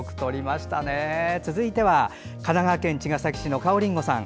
続いては、神奈川県茅ヶ崎市のかおりんごさん。